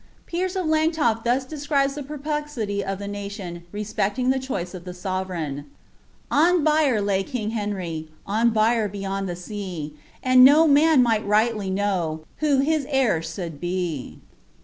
Piers of Langtof^ thus describes the perplexity of the aation respecting the choice of the sovereign :—On bier laj king Henry, On bier beyond the sea ; And no man might rightly know Who hit heir suld be.'